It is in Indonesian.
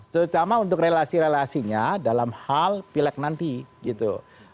terutama untuk relasi relasinya dalam hal pileg nanti gitu